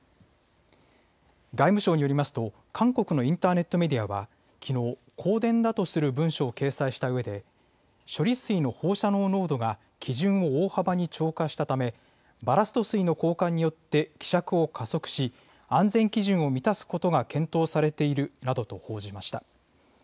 外務省によりますと、韓国のインターネットメディアは、きのう、公電だとする文書を掲載したうえで、処理水の放射能濃度が基準を大幅に超過したため、バラスト水の交換によって希釈を加速し、安全基準を満たすことが検討されているなどと報じました。